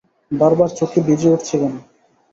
বারবার চোখ ভিজে উঠছে কেন?